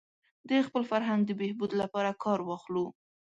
د خپل فرهنګ د بهبود لپاره کار واخلو.